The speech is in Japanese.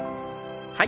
はい。